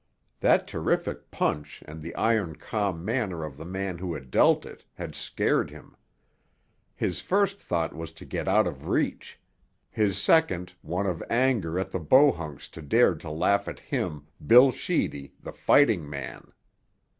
That terrific punch and the iron calm manner of the man who had dealt it had scared him. His first thought was to get out of reach; his second, one of anger at the Bohunks who dared to laugh at him, Bill Sheedy, the fighting man!